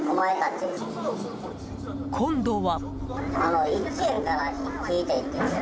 今度は。